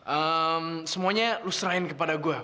ehm semuanya lo serahin kepada gue